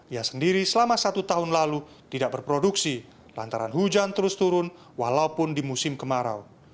ia sendiri selama satu tahun lalu tidak berproduksi lantaran hujan terus turun walaupun di musim kemarau